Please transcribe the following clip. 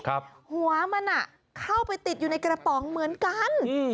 หัวมันอ่ะเข้าไปติดอยู่ในกระป๋องเหมือนกันอืม